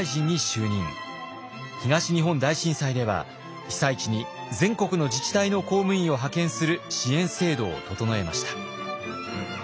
東日本大震災では被災地に全国の自治体の公務員を派遣する支援制度を整えました。